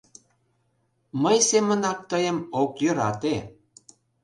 Мый семынак тыйым ок йӧрате.